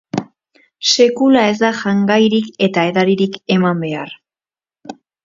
Sekula ez da jangairik eta edaririk eman behar.